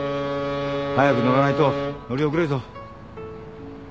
早く乗らないと乗り遅れるぞ。